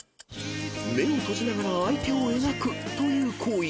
［目を閉じながら相手を描くという行為］